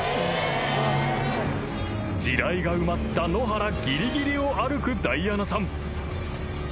［地雷が埋まった野原ぎりぎりを歩くダイアナさん］